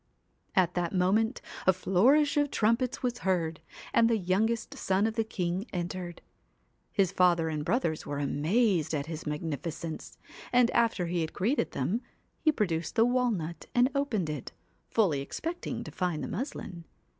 At that moment a flourish of trumpets was heard, and the youngest son of the king entered. His father and brothers were amazed at his magnifi cence, and after he had greeted them he produced the walnut and opened it, fully expecting to find the muslin.